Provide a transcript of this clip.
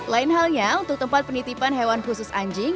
lain halnya untuk tempat penitipan hewan khusus anjing